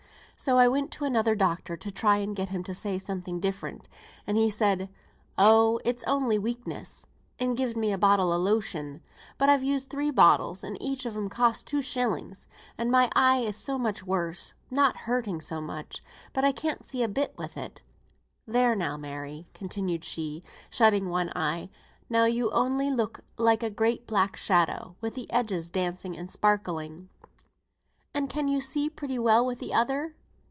So I went to another doctor to try and get him to say something different, and he said, 'Oh, it was only weakness,' and gived me a bottle of lotion; but I've used three bottles (and each of 'em cost two shillings), and my eye is so much worse, not hurting so much, but I can't see a bit with it. There now, Mary," continued she, shutting one eye, "now you only look like a great black shadow, with the edges dancing and sparkling." "And can you see pretty well with th' other?"